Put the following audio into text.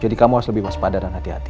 jadi kamu harus lebih waspada dan hati hati